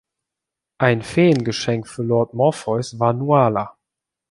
Ein Feengeschenk für Lord Morpheus war Nuala.